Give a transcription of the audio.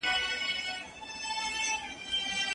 زه د لاسونو د دعا له دايرې وتلی